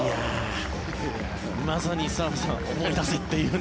まさに澤部さん思い出せというね。